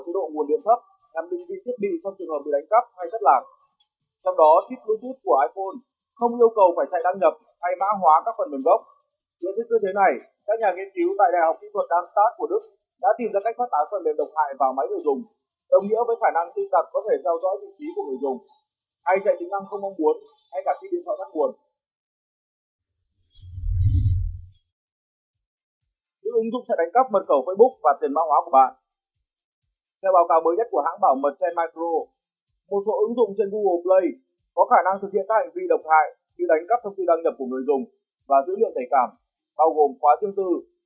theo báo cáo mới nhất của hãng bảo mật zenmicro một số ứng dụng trên google play có khả năng thực hiện các hành vi độc hại khi đánh cắp thông tin đăng nhập của người dùng và dữ liệu tẩy cảm bao gồm khóa tiêu tư